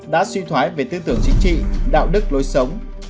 đã suy thoái về tư tưởng chính trị đạo đức lối sống